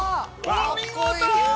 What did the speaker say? お見事。